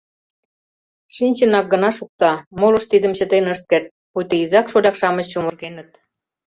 Шинчынак гына шукта, молышт тидым чытен ышт керт, пуйто изак-шоляк-шамыч чумыргеныт.